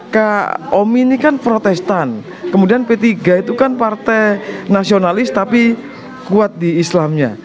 kak omi ini kan protestan kemudian p tiga itu kan partai nasionalis tapi kuat di islamnya